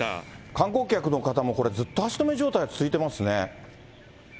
観光客の方もこれ、ずっと足止め状態が続いてますね。